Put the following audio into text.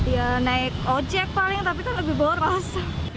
ya naik ojek paling tapi kan lebih boros